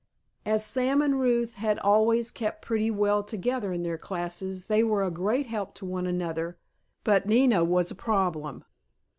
As Sam and Ruth had always kept pretty well together in their classes they were a great help to one another, but Nina was a problem.